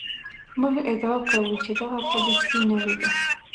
موږ ادعا کوو چې دغه پالیسي نوې ده.